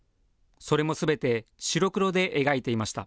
それもすべて白黒で描いていました。